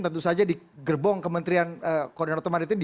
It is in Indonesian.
tentu saja di gerbong kementerian koordinator maritim